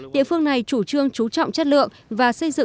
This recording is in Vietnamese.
địa phương này chủ trương chú trọng chất lượng